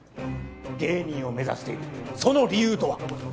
芸人を目指しているその理由とは？